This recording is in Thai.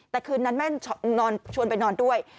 แต่คืนนั้นแม่นอนชวนไปนอนด้วย